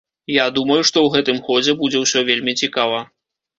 Я думаю, што ў гэтым годзе будзе ўсё вельмі цікава.